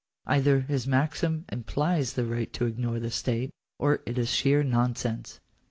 Either his maxim implies the right to ignore the state, or it is sheer nonsense.